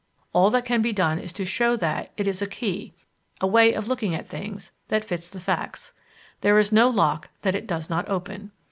All that can be done is to show that it is a key a way of looking at things that fits the facts. There is no lock that it does not open.